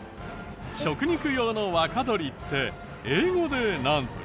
食肉用の若鶏って英語でなんと言う？